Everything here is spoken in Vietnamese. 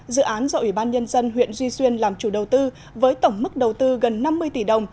dự án do ủy ban nhân dân huyện duy xuyên làm chủ đầu tư với tổng mức đầu tư gần năm mươi tỷ đồng